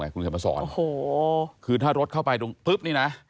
คุณค่ำมัดสอนนะอย่างนี้นะคือถ้ารถเข้าไปนะพึ๊บ